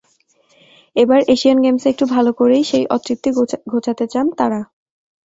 এবার এশিয়ান গেমসে একটু ভালো করেই সেই অতৃপ্তি ঘোচাতে চান তাঁরা।